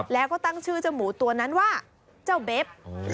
แล้วก็ตั้งชื่อเจ้าหมูตัวนั้นว่าเจ้าเบ็บ